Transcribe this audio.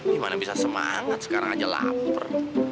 gimana bisa semangat sekarang aja lapar